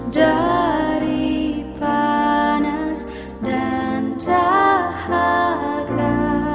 dari panas dan dahaga